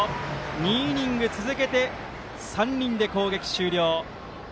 ２イニング続けて３人で攻撃終了。